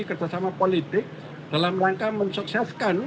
kerjasama politik dalam rangka mensukseskan